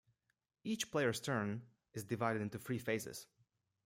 Each player's turn is divided into three phases.